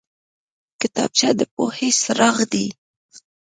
کتابچه د پوهې څراغ دی